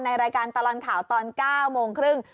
รายการตลอดข่าวตอน๙โมงครึ่ง